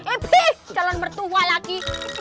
eh bih calon mertua lagi